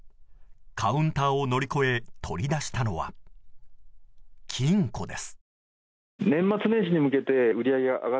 カウンターを乗り越え取り出したのは金庫です。